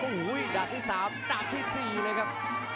โอ้โหดับที่สามดับที่สี่เลยครับ